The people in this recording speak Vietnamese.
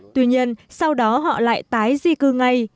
tuy nhiên sau đó họ lại tái di cư ngay